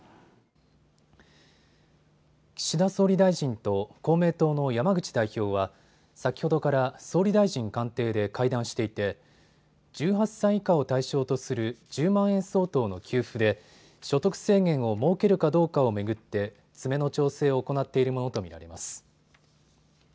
岸田総理大臣と公明党の山口代表は先ほどから総理大臣官邸で会談していて１８歳以下を対象とする１０万円相当の給付で所得制限を設けるかどうかを巡って詰めの調整を行っているものと見られます。